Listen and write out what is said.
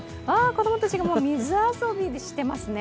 子供たちが水遊びしてますね。